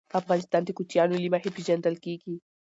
افغانستان د کوچیانو له مخي پېژندل کېږي.